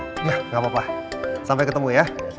sudah nggak apa apa sampai ketemu ya